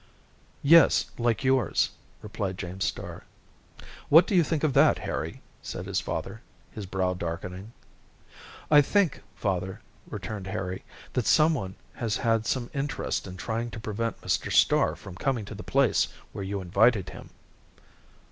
"Yes, like yours," replied James Starr. "What do you think of that, Harry?" said his father, his brow darkening. "I think, father," returned Harry, "that someone has had some interest in trying to prevent Mr. Starr from coming to the place where you invited him."